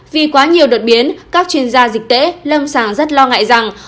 vì quá nhiều đột biến các chuyên gia dịch tễ lâm sàng rất lo ngại rằng